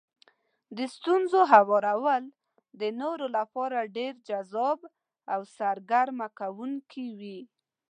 د ستونزو هوارول د نورو لپاره ډېر جذاب او سرګرمه کوونکي وي.